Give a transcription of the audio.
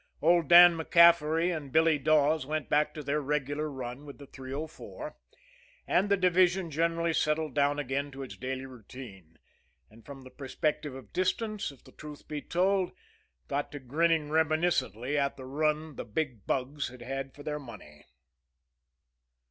Old Dan MacCaffery and Billy Dawes went back to their regular run with the 304. And the division generally settled down again to its daily routine and from the perspective of distance, if the truth be told, got to grinning reminiscently at the run the Big Bugs had had for their money.